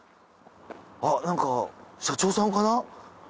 あっなんか社長さんかな？